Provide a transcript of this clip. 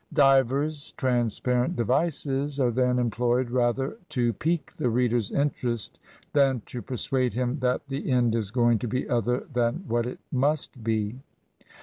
Divers transparent devices are then employed rather to pique the reader's interest than to persuade him that the end is going to be other than what it must be.